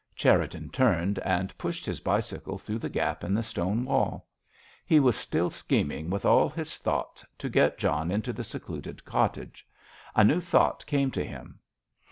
Cherriton turned and pushed his bicycle through the gap in the stone wall. He was still scheming with all his thoughts to get John into the secluded cottage. A new thought came to him.